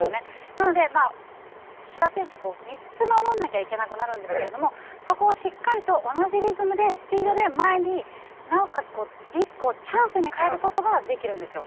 なので、志田選手は３つ守らなきゃいけなくなるんですがそこをしっかり同じリズムとスピードで前になおかつリスクをチャンスに変えることができるんですよ。